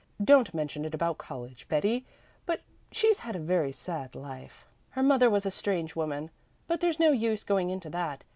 Don't mention it about college, Betty, but she's had a very sad life. Her mother was a strange woman but there's no use going into that.